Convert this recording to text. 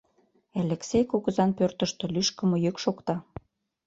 Элексей кугызан пӧртыштӧ лӱшкымӧ йӱк шокта.